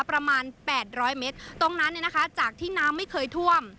ประมาณแปดร้อยเมตรตรงนั้นเนี่ยนะคะจากที่น้ำไม่เคยท่วม